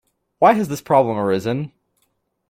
Why has this problem arisen?